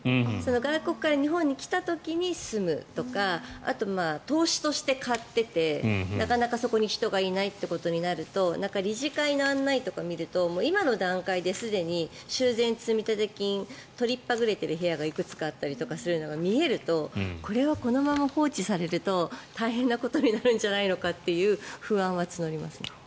外国から日本に来た時に住むとかあとは投資として買っていてなかなか、そこに人がいないということになると理事会の案内とか見ると今の段階ですでに修繕積立金、取りっぱぐれている部屋がいくつかあるのが見えるとこれはこのまま放置されると大変なことになるんじゃないかという不安は募ります。